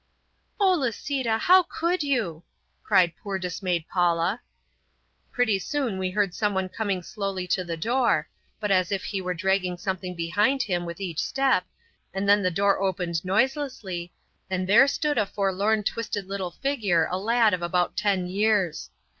"Oh, Lisita, how could you," cried poor dismayed Paula. Pretty soon we heard someone coming slowly to the door, but as if he were dragging something behind him with each step, and then the door opened noiselessly, and there stood a forlorn twisted little figure, a lad of about ten years.